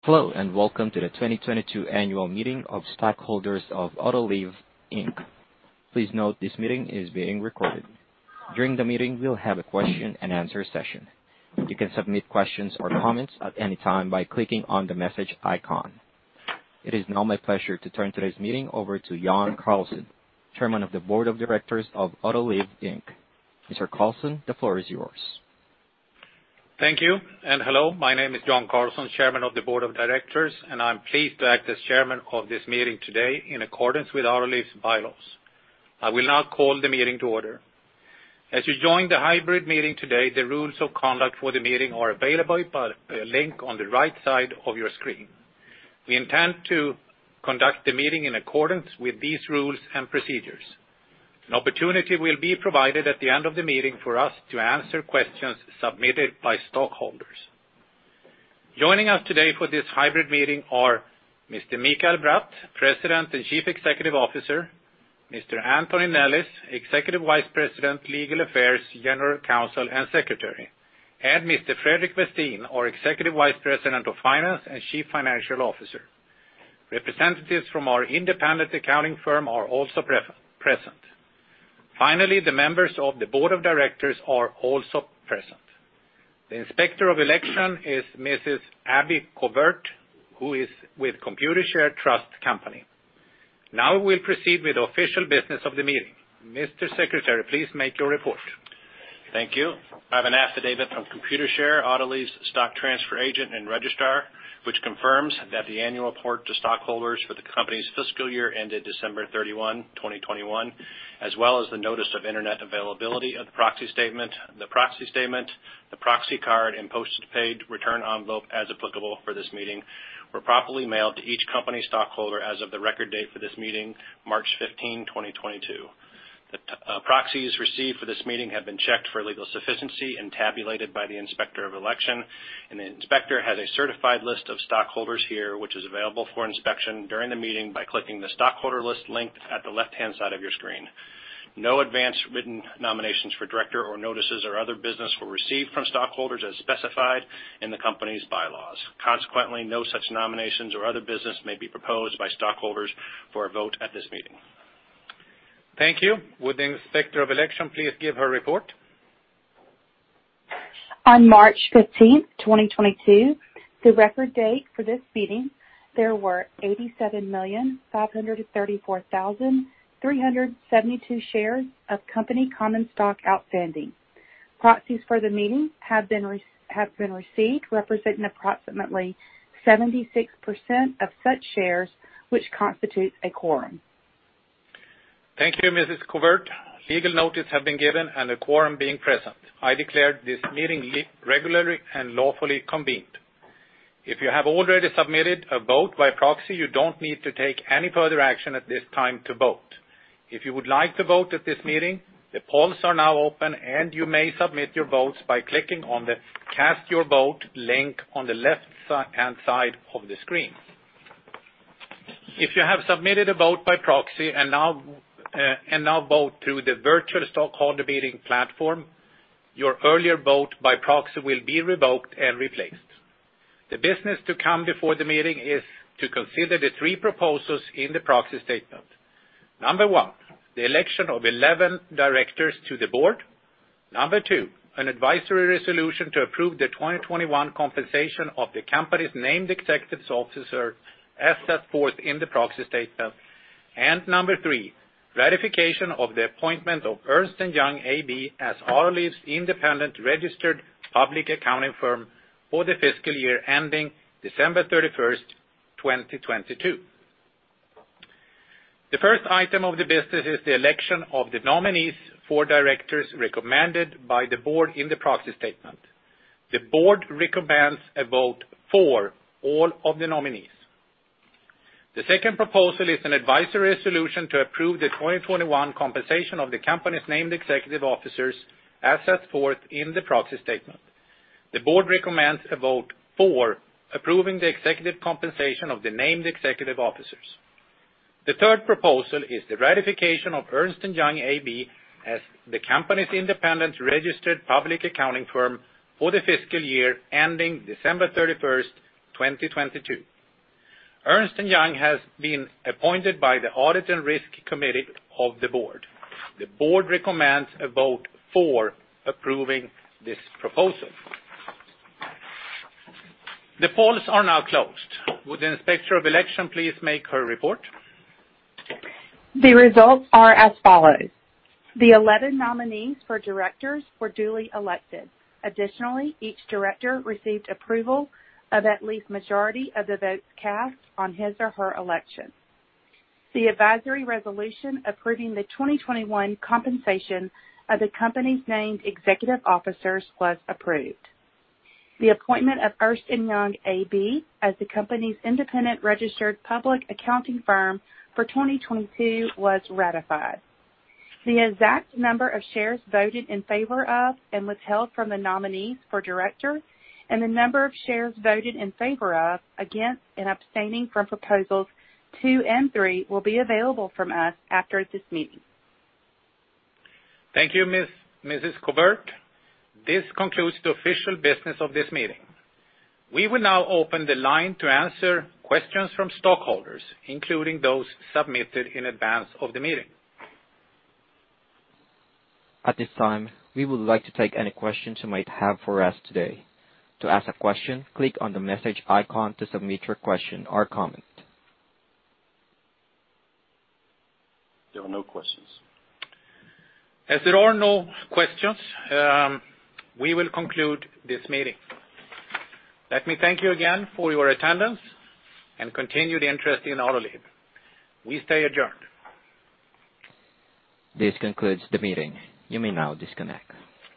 Hello, and welcome to the 2022 annual meeting of stockholders of Autoliv, Inc. Please note this meeting is being recorded. During the meeting, we'll have a question-and-answer session. You can submit questions or comments at any time by clicking on the message icon. It is now my pleasure to turn today's meeting over to Jan Carlson, Chairman of the Board of Directors of Autoliv, Inc. Mr. Carlson, the floor is yours. Thank you, and hello. My name is Jan Carlson, Chairman of the Board of Directors, and I'm pleased to act as chairman of this meeting today in accordance with Autoliv's bylaws. I will now call the meeting to order. As you join the hybrid meeting today, the rules of conduct for the meeting are available by the link on the right side of your screen. We intend to conduct the meeting in accordance with these rules and procedures. An opportunity will be provided at the end of the meeting for us to answer questions submitted by stockholders. Joining us today for this hybrid meeting are Mr. Mikael Bratt, President and Chief Executive Officer, Mr. Anthony Nellis, Executive Vice President, Legal Affairs, General Counsel, and Secretary, and Mr. Fredrik Westin, Executive Vice President of Finance and Chief Financial Officer. Representatives from our independent accounting firm are also present. Finally, the members of the board of directors are also present. The Inspector of Election is Mrs. Abby Covert, who is with Computershare Trust Company. Now we'll proceed with the official business of the meeting. Mr. Secretary, please make your report. Thank you. I have an affidavit from Computershare, Autoliv's stock transfer agent and registrar, which confirms that the annual report to stockholders for the company's fiscal year ended December 31, 2021, as well as the notice of Internet availability of the proxy statement. The proxy statement, the proxy card, and postage paid return envelope, as applicable for this meeting, were properly mailed to each company stockholder as of the record date for this meeting, March 15, 2022. The proxies received for this meeting have been checked for legal sufficiency and tabulated by the Inspector of Election, and the inspector has a certified list of stockholders here, which is available for inspection during the meeting by clicking the Stockholder List link at the left-hand side of your screen. No advance written nominations for director or notices or other business were received from stockholders as specified in the company's bylaws. Consequently, no such nominations or other business may be proposed by stockholders for a vote at this meeting. Thank you. Would the Inspector of Election please give her report? On March fifteenth, 2022, the record date for this meeting, there were 87,534,372 shares of company common stock outstanding. Proxies for the meeting have been received, representing approximately 76% of such shares, which constitutes a quorum. Thank you, Mrs. Abby Covert. Legal notice has been given, and a quorum being present, I declare this meeting regularly and lawfully convened. If you have already submitted a vote by proxy, you don't need to take any further action at this time to vote. If you would like to vote at this meeting, the polls are now open, and you may submit your votes by clicking on the Cast Your Vote link on the left hand side of the screen. If you have submitted a vote by proxy and now vote through the virtual stockholder meeting platform, your earlier vote by proxy will be revoked and replaced. The business to come before the meeting is to consider the three proposals in the proxy statement. Number one, the election of 11 directors to the board. Number two, an advisory resolution to approve the 2021 compensation of the company's named executive officer as set forth in the proxy statement. Number three, ratification of the appointment of Ernst & Young AB as Autoliv's independent registered public accounting firm for the fiscal year ending December 31, 2022. The first item of the business is the election of the nominees for directors recommended by the board in the proxy statement. The board recommends a vote for all of the nominees. The second proposal is an advisory resolution to approve the 2021 compensation of the company's named executive officers as set forth in the proxy statement. The board recommends a vote for approving the executive compensation of the named executive officers. The third proposal is the ratification of Ernst & Young AB as the company's independent registered public accounting firm for the fiscal year ending December 31, 2022. Ernst & Young has been appointed by the Audit and Risk Committee of the board. The board recommends a vote for approving this proposal. The polls are now closed. Would the Inspector of Election please make her report? The results are as follows. The 11 nominees for directors were duly elected. Additionally, each director received approval of at least majority of the votes cast on his or her election. The advisory resolution approving the 2021 compensation of the company's named executive officers was approved. The appointment of Ernst & Young AB as the company's independent registered public accounting firm for 2022 was ratified. The exact number of shares voted in favor of and withheld from the nominees for directors and the number of shares voted in favor of, against, and abstaining from proposals two and three will be available from us after this meeting. Thank you, Mrs. Covert. This concludes the official business of this meeting. We will now open the line to answer questions from stockholders, including those submitted in advance of the meeting. At this time, we would like to take any questions you might have for us today. To ask a question, click on the message icon to submit your question or comment. There are no questions. As there are no questions, we will conclude this meeting. Let me thank you again for your attendance and continued interest in Autoliv. We stay adjourned. This concludes the meeting. You may now disconnect.